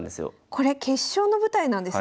これ決勝の舞台なんですね。